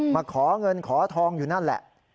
มาขอเงินขอทองอยู่นั่นแหละ